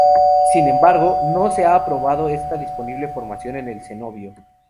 Sin embargo, no se ha aprobado esta posible formación en el cenobio.